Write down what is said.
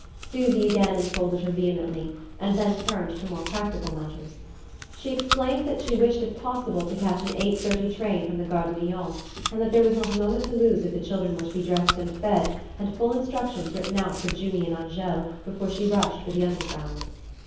Susy again enfolded her vehemently, and then turned to more practical matters. She explained that she wished if possible to catch an eight thirty train from the Gare de Lyon, and that there was not a moment to lose if the children were to be dressed and fed, and full instructions written out for Junie and Angele, before she rushed for the underground.